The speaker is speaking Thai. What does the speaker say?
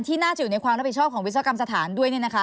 น่าจะอยู่ในความรับผิดชอบของวิศวกรรมสถานด้วย